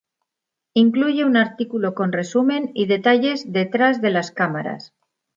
Incluye un artículo con resumen y detalles detrás de las cámaras.